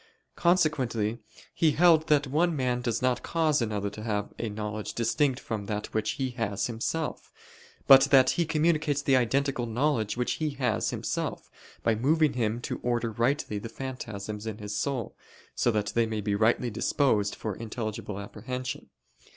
Consequently he held that one man does not cause another to have a knowledge distinct from that which he has himself; but that he communicates the identical knowledge which he has himself, by moving him to order rightly the phantasms in his soul, so that they be rightly disposed for intelligible apprehension.